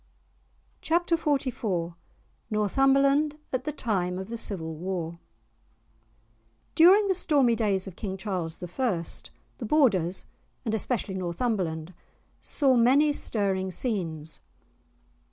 *Chapter XLIV* *Northumberland at the time of the Civil War* During the stormy days of King Charles I., the Borders, and especially Northumberland, saw many stirring scenes.